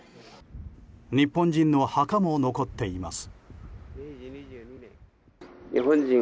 日本人の墓も残っています。